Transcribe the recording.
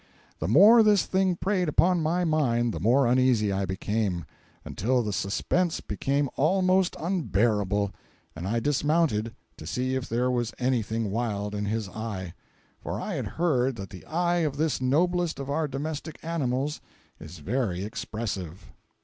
The more this thing preyed upon my mind the more uneasy I became, until the suspense became almost unbearable and I dismounted to see if there was anything wild in his eye—for I had heard that the eye of this noblest of our domestic animals is very expressive.